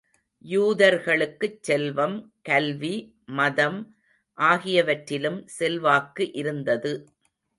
யூதர்களுக்குச் செல்வம், கல்வி, மதம் ஆகியவற்றிலும் செல்வாக்கு இருந்தது.